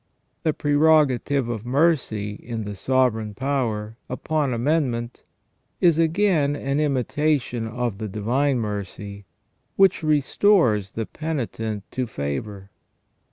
The prerogative of mercy in the ON PENAL EVIL OR PUNISHMENT. 223 sovereign power upon amendment is again an imitation of the divine mercy, which restores the penitent to favour.